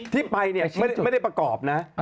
ที่ไปไม่ได้ประกอบนะ